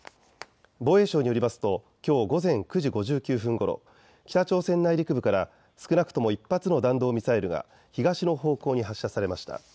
防衛省によりますときょう午前９時５９分ごろ、北朝鮮内陸部から少なくとも１発の弾道ミサイルが東の方向に発射されました。